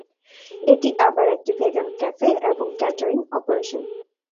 এটি আবার একটি ভেগান ক্যাফে এবং ক্যাটারিং অপারেশন।